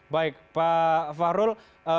baik pak fahrul